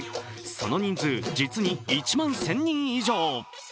その人数、実に１万１０００人以上。